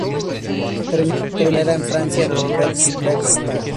Terminó su carrera en Francia con Red Star.